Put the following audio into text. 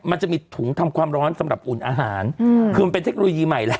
มันจะมีถุงทำความร้อนสำหรับอุ่นอาหารคือมันเป็นเทคโนโลยีใหม่แหละ